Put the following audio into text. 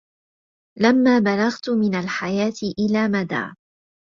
لما بلغت من الحياة إلى مدى